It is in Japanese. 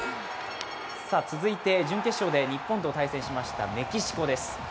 続いて、準決勝で日本と対戦しましたメキシコです。